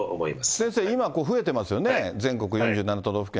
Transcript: これ、先生、今、増えてますよね、全国４７都道府県。